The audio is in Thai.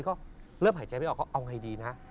ก็เริ่มหายใจไม่ออกก็เอาไงดีนะ